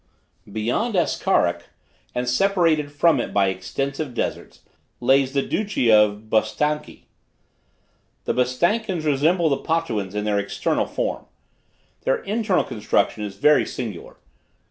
Beyond Askarak, and separated from it by extensive deserts, lays the Duchy of Bostanki. The Bostankins resemble the Potuans in their external form. Their internal construction is very singular.